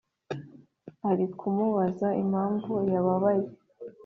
arikumubaza impamvu yababaye